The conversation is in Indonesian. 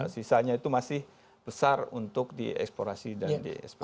sisanya itu masih besar untuk dieksplorasi dan dieksplorasi